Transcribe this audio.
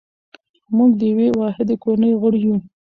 موږ د یوې واحدې کورنۍ غړي یو.